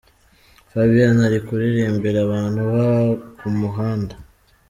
Fabien ari kuririmbira abantu ku muhanda.